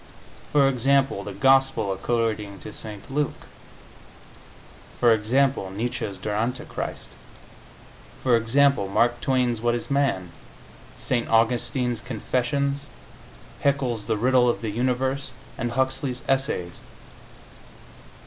For example, the Gospel according to St. Luke. For example, Nietzsche's "Der Antichrist." For example, Mark Twain's "What Is Man?", St. Augustine's Confessions, Haeckel's "The Riddle of the Universe," and Huxley's Essays.